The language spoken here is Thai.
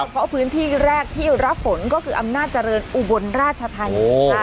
เพราะพื้นที่แรกที่รับฝนก็คืออำนาจเจริญอุบลราชธานีค่ะ